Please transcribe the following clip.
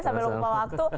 sampai lupa waktu